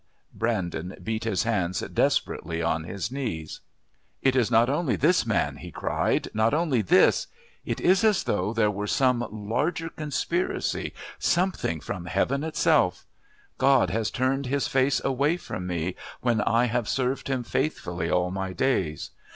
Brandon beat his hands desperately on his knees. "It is not only this man!" he cried, "not only this! It is as though there were some larger conspiracy, something from Heaven itself. God has turned His face away from me when I have served Him faithfully all my days.